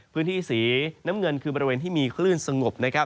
พื้นที่สีน้ำเงินคือบริเวณที่มีคลื่นสงบนะครับ